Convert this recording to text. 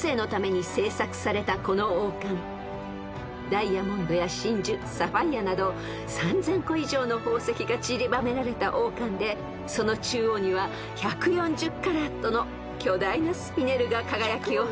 ［ダイヤモンドや真珠サファイアなど３，０００個以上の宝石がちりばめられた王冠でその中央には１４０カラットの巨大なスピネルが輝きを放っています］